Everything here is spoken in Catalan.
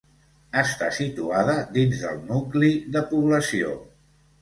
Està situada dins del nucli de població.